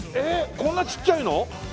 こんなちっちゃいの？